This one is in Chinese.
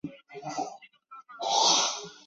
每集十篇共六十篇。